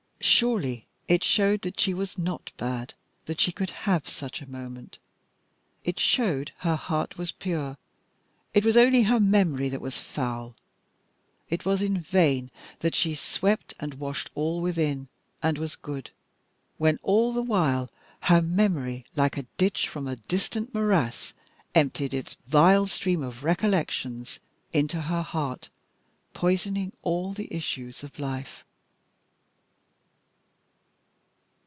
Surely it showed that she was not bad, that she could have such a moment. It showed her heart was pure; it was only her memory that was foul. It was in vain that she swept and washed all within, and was good, when all the while her memory, like a ditch from a distant morass, emptied its vile stream of recollections into her heart, poisoning all the issues of life.